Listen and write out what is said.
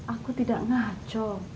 aku tidak ngaco